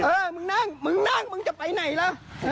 เออมึงนั่งมึงนั่งมึงจะไปไหนล่ะ